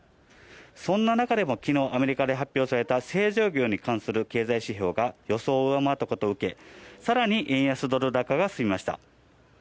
そんな中でも昨日、アメリカで発表された製造業に関する経済指標が予想を上回ったことを受け、さらに円安ドル高が進みました。